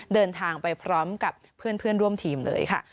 เดินทางไปพร้อมกับเพื่อนร่วมทีมเลยค่ะ